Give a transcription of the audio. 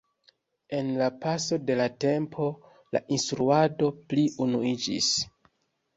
En la paso de la tempo la instruado pli unuiĝis.